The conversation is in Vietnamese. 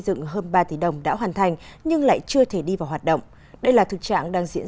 dựng hơn ba tỷ đồng đã hoàn thành nhưng lại chưa thể đi vào hoạt động đây là thực trạng đang diễn